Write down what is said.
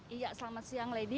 iya selamat siang lady